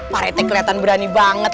pak rt kelihatan berani banget